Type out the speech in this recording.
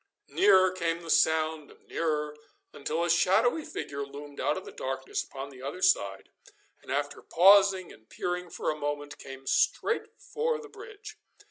Nearer came the sound and nearer, until a shadowy figure loomed out of the darkness upon the other side, and after pausing and peering for a moment, came straight for the bridge.